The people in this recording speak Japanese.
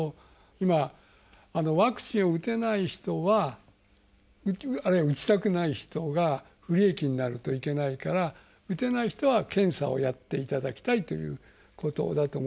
今ワクチンを打てない人はあるいは打ちたくない人が不利益になるといけないから打てない人は検査をやっていただきたいということだと思うんですよね。